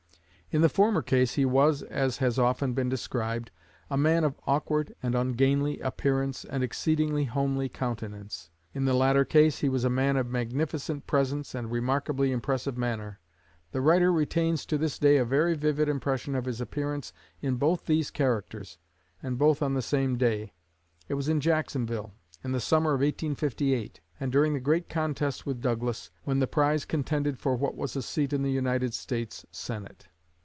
In the former case he was, as has often been described, a man of awkward and ungainly appearance and exceedingly homely countenance. In the latter case, he was a man of magnificent presence and remarkably impressive manner. The writer retains to this day a very vivid impression of his appearance in both these characters, and both on the same day. It was in Jacksonville, in the summer of 1858, and during the great contest with Douglas, when the prize contended for was a seat in the United States Senate.